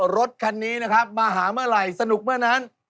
รถคันนี้นะครับมาหาเมื่อไหร่สนุกเมื่อนั้น